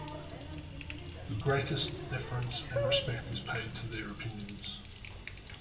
The greatest deference and respect is paid to their opinions.